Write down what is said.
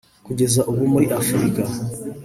Kugeza ubu muri Afurika